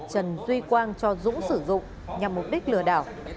trần duy quang cho dũng sử dụng nhằm mục đích lừa đảo